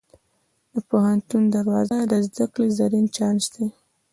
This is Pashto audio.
د پوهنتون دوره د زده کړې زرین چانس دی.